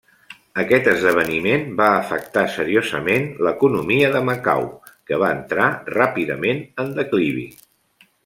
Aquest esdeveniment va afectar seriosament l'economia de Macau, que va entrar ràpidament en declivi.